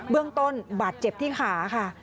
เรื่องต้นบาดเจ็บที่ขาค่ะ